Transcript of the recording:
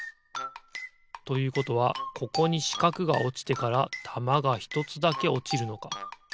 ということはここにしかくがおちてからたまがひとつだけおちるのか。